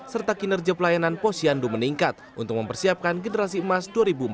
serta kinerja pelayanan posyandu meningkat untuk mempersiapkan generasi emas dua ribu empat belas